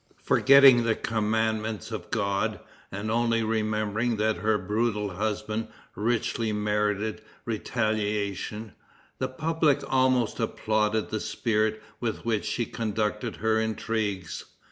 Forgetting the commandments of God, and only remembering that her brutal husband richly merited retaliation, the public almost applauded the spirit with which she conducted her intrigues.